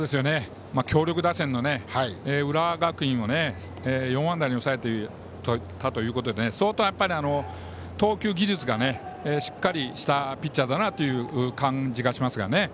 強力打線の浦和学院を４安打に抑えたということで相当、投球技術がしっかりしたピッチャーだなという感じがしますがね。